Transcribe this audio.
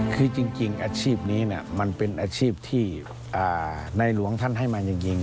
คือจริงอาชีพนี้มันเป็นอาชีพที่ในหลวงท่านให้มาจริง